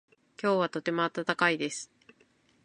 今日はとても暖かいです。